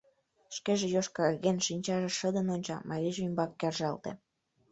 Шкеже йошкарген, шинчаже шыдын онча, марийже ӱмбак кержалте: